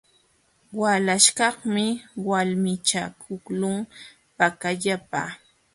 Walaśhkaqmi walmichakuqlun pakallapa.